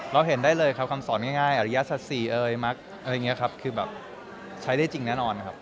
เราเห็นได้เลยครับคำสอนง่ายอริยศสีเอ่ยมักอะไรอย่างนี้ครับคือแบบใช้ได้จริงแน่นอนครับ